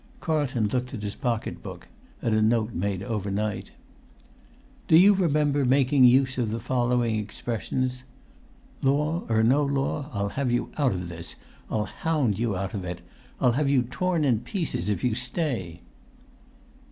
Carlton looked at his pocket book—at a note made overnight. "Do you remember making use of the following expressions: 'Law or no law, I'll have you out of[Pg 169] this! I'll hound you out of it! I'll have you torn in pieces if you stay'?"